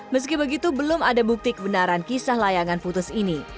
meski begitu belum ada bukti kebenaran kisah layangan putus ini